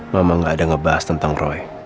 memang gak ada ngebahas tentang roy